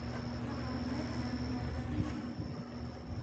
Hamaut'ayqa Limata rishan